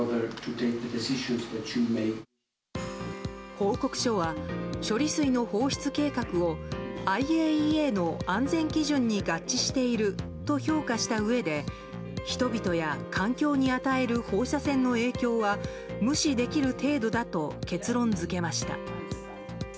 報告書は処理水の放出計画をＩＡＥＡの安全基準に合致していると評価したうえで人々や環境に与える放射線の影響は無視できる程度だと結論付けました。